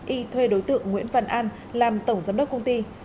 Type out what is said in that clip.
y thuê đối tượng nguyễn văn an làm tổng giám đốc công ty